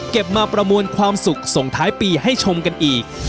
มาประมวลความสุขส่งท้ายปีให้ชมกันอีก